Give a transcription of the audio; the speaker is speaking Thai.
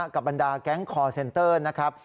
บรรดาแก๊งคอร์เซ็นเตอร์นะครับ